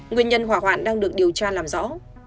nguyên nhân hỏa hoạn đang được điều tra làm rõ